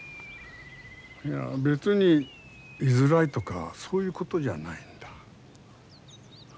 別に居づらいとかそういうことじゃないんだ。